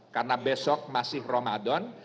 karena besok masih ramadan